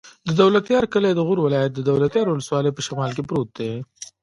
د دولتيار کلی د غور ولایت، دولتيار ولسوالي په شمال کې پروت دی.